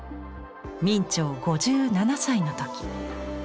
明兆５７歳の時。